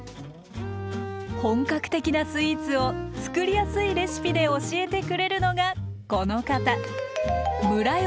本格的なスイーツをつくりやすいレシピで教えてくれるのがこの方！